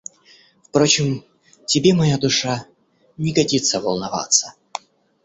Впрочем, тебе, моя душа, не годится волноваться.